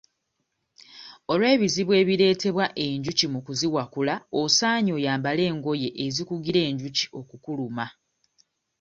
Olw'ebizibu ebireetebwa enjuki mu kuziwakula osaanye oyambale engoye ezikugira enjuki okukuluma.